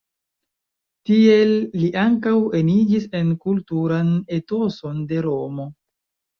Tiel li ankaŭ eniĝis en kulturan etoson de Romo.